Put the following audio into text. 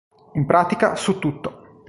In pratica su tutto.